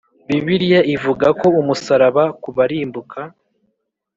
bibiliya ivuga ko umusaraba ku barimbuka